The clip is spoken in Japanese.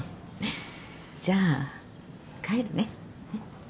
じゃあ帰るね。